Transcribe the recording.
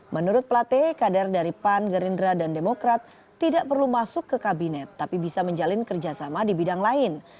menurut plate kader dari pan gerindra dan demokrat tidak perlu masuk ke kabinet tapi bisa menjalin kerjasama di bidang lain